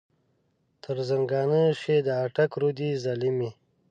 تر زنګانه شې د اټک رودې ظالمې.